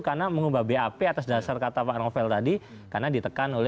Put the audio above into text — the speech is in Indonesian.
karena mengubah bap atas dasar kata pak novel tadi karena ditekan oleh